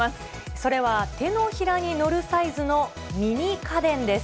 それは手のひらに載るサイズのミニ家電です。